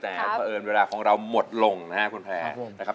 แต่พอเอิญเวลาของเรามดลงนะครับคุณแร